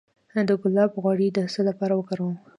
د ګلاب غوړي د څه لپاره وکاروم؟